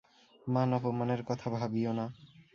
মান-অপমানের কথা ভাবিয়ো না!